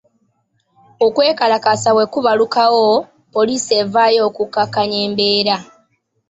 Okwekalakaasa bwe kubalukawo, poliisi evaayo okukkakanya embeera.